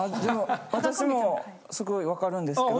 私もすごいわかるんですけど。